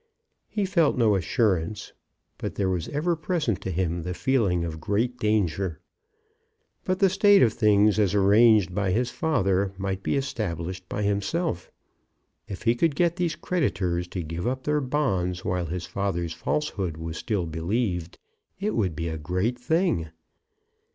He felt no assurance, but there was ever present to him the feeling of great danger. But the state of things as arranged by his father might be established by himself. If he could get these creditors to give up their bonds while his father's falsehood was still believed, it would be a great thing.